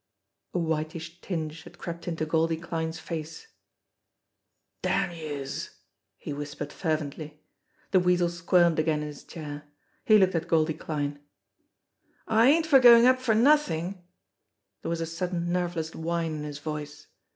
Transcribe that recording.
A whitish tinge had crept into Goldie Kline's face. "Damn youse !" he whispered fervently. The Weasel squirmed again in his chair. He looked at Goldie Kline. "I ain't for goin' up for nothin'!" There was a sudden nerveless whine in his voice.